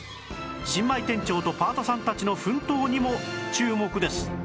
新米店長とパートさんたちの奮闘にも注目です